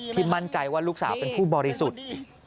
มั่นใจว่าลูกสาวเป็นผู้บริสุทธิ์